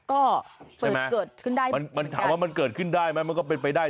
ก็เกิดขึ้นได้ไหมมันถามว่ามันเกิดขึ้นได้ไหมมันก็เป็นไปได้